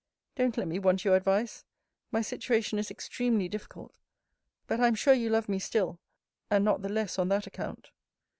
Don't let me want you advice. My situation is extremely difficult. But I am sure you love me still: and not the less on that account.